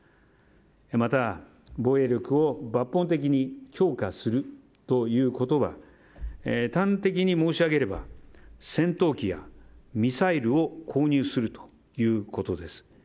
また、防衛力を抜本的に強化するということは端的に申し上げれば戦闘機やミサイルを購入するということです。